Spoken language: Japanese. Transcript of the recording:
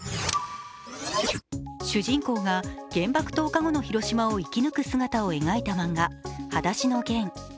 主人公が原爆投下後の広島を生き抜く姿を描いた漫画、「はだしのゲン」。